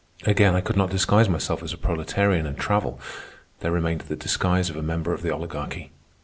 Again, I could not disguise myself as a proletarian and travel. There remained the disguise of a member of the Oligarchy.